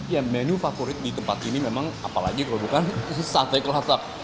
ya menu favorit di tempat ini memang apalagi kalau bukan sate kelatak